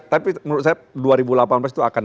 tapi menurut saya dua ribu delapan belas itu akan